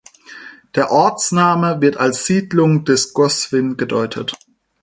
Der Ortsname wird als Siedlung des Goswin gedeutet.